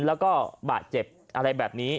แล้วก็บาดเจ็บอะไรแบบนี้